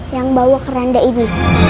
yang bawa keranda ini